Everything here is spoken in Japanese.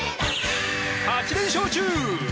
８連勝中！